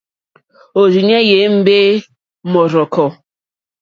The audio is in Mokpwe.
Òrzìɲɛ́ jé ěmbé mɔ́rzɔ̀kɔ̀.